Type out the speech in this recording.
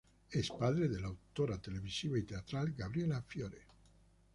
Es padre de la autora televisiva y teatral Gabriela Fiore.